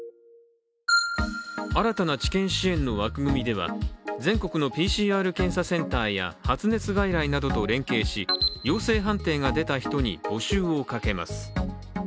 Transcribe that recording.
新たな治験支援の枠組みでは、全国のＰＣＲ検査センターや発熱外来などと連携し陽性判定が出た人に募集をかけます。